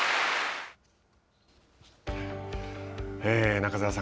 中澤さん